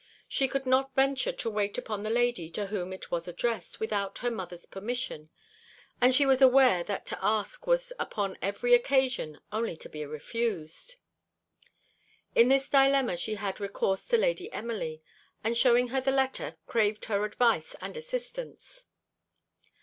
She could not venture to wait upon the lady to whom it was addressed without her mother's permission; and she was aware that to ask was upon every occasion only to be refused. In his dilemma she had recourse to Lady Emily; and, showing her the letter, craved her advice and assistance.